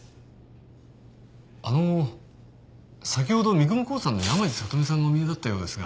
あの先ほど三雲興産の山路さとみさんがお見えだったようですが。